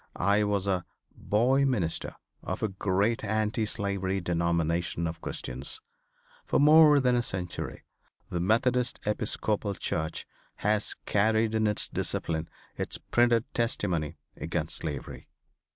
I was a "boy minister" of a great anti slavery denomination of Christians. For more than a century the Methodist Episcopal Church has carried in its Disciplines its printed testimony against slavery.